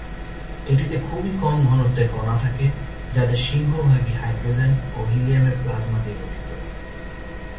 এটিতে খুবই কম ঘনত্বের কণা থাকে যাদের সিংহভাগই হাইড্রোজেন ও হিলিয়ামের প্লাজমা দিয়ে গঠিত।